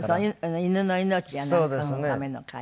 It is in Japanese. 犬の命やなんかのための会。